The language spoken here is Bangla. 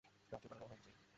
রাত্রি যেন না যায়– বিপিন।